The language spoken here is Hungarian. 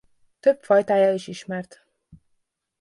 Több fajtája is ismert.